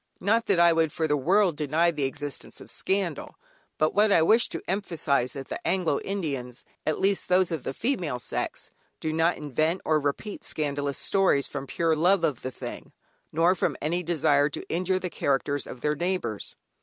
Not that I would for the world deny the existence of scandal, but what I wish to emphasise is, that the Anglo Indians (at least those of the female sex) do not invent or repeat scandalous stories from pure love of the thing, nor from any desire to injure the characters of their neighbours.